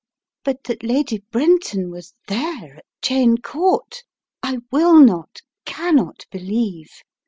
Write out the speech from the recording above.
But that Lady Brenton was there, at Cheyne Court, I will not — cannot believe.